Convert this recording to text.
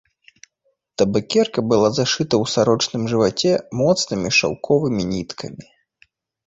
Табакерка была зашыта ў сарочым жываце моцнымі шаўковымі ніткамі.